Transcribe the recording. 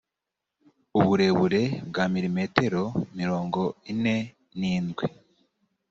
uburebure bwa milimetero mirongo ine n indwi